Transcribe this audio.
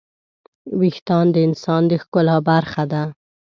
وېښتيان د انسان د ښکلا برخه ده.